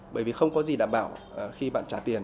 bởi vì không có gì đảm bảo khi bạn trả tiền